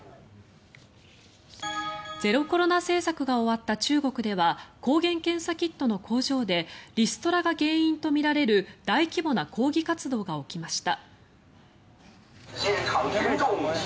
ゼロコロナ政策が終わった中国では抗原検査キットの工場でリストラが原因とみられる大規模な抗議活動が起きました。